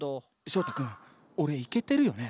翔太君俺イケてるよね？